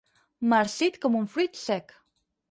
Marcit com un fruit sec.